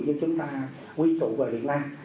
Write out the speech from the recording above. với chúng ta quy trụ về việt nam